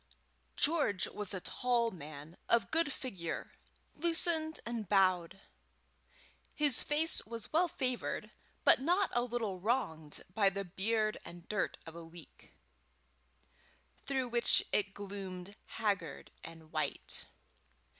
George was a tall man, of good figure, loosened and bowed. His face was well favoured, but not a little wronged by the beard and dirt of a week, through which it gloomed haggard and white.